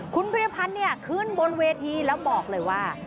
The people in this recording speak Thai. คุณพิริพันธ์เนี่ยขึ้นบนเวทีแล้วบอกเลยว่า